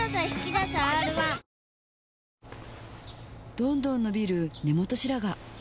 どんどん伸びる根元白髪